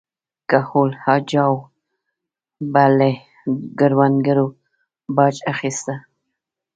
کهول اجاو به له کروندګرو باج اخیسته